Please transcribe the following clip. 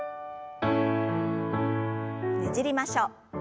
ねじりましょう。